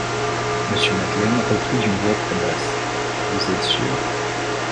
Monsieur Madeleine reprit d’une voix très basse: — Vous êtes sûr?